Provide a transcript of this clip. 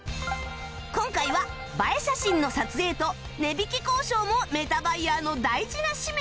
今回は映え写真の撮影と値引き交渉もメタバイヤーの大事な使命